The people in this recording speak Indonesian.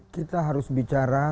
kita harus bicara